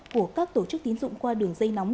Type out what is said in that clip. của các tổ chức tín dụng qua đường dây nóng